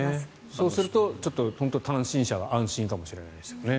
そうすると単身者は安心かもしれないですね。